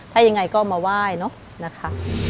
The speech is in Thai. ถ้ายังไงก็มาไหว้เนอะนะคะ